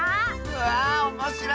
わあおもしろそう！